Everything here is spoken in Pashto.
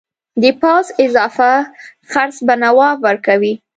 د پوځ اضافه خرڅ به نواب ورکوي.